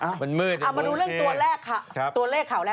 อามาดูเรื่องตัวแรกค่ะ